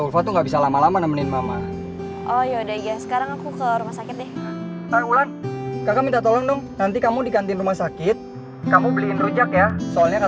waktunya terserah kamu kamu mau nuduh aku apa